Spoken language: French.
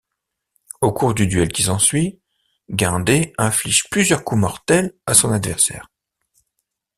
Au cours du duel qui s'ensuit, Guindey inflige plusieurs coups mortels à son adversaire.